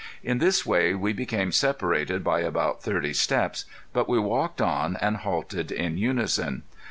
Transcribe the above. In this way we became separated by about thirty steps, but we walked on and halted in unison.